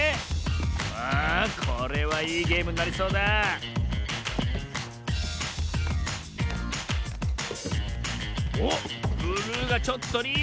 さあこれはいいゲームになりそうだおっブルーがちょっとリード！